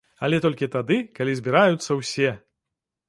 Але толькі тады, калі збіраюцца ўсе!